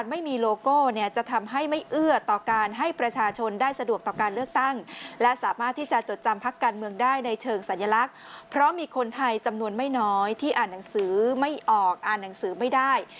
ไม่น้อยที่อ่านหนังสือไม่ออกอ่านหนังสือไม่ได้